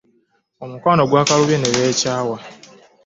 Omukwano gwakalubye ne beekyawa.